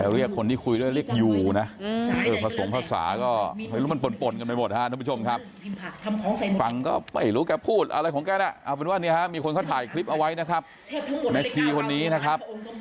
รู้ว่าแกพูดอะไรของแกน่ะเอาเป็นว่านี่ครับมีคนก็ถ่ายคลิปเอาไว้นะครับแม่ชีคนนี้นะครับ